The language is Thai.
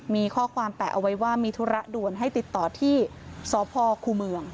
มีข้อความแปะเอาไว้ว่ามีธุระด่วนให้ติดต่อที่สพคูเมือง